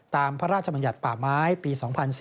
พระราชบัญญัติป่าไม้ปี๒๔๔